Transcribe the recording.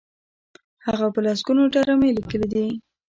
هغه په لسګونو ډرامې لیکلي دي.